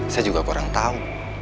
saya juga kurang tahu